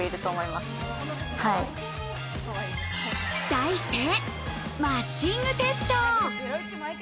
題して、マッチングテスト。